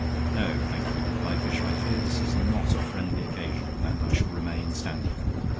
"No, thank you," replied Fisher. "I fear this is not a friendly occasion, and I shall remain standing.